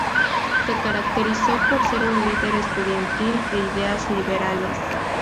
Se caracterizó por ser un líder estudiantil de ideas liberales.